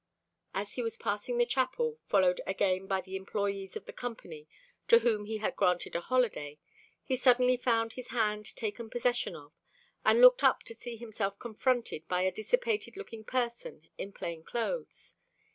As he was passing the chapel, followed again by the employees of the Company, to whom he had granted a holiday, he suddenly found his hand taken possession of, and looked up to see himself confronted by a dissipated looking person in plain clothes.